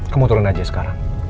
kamu turun aja sekarang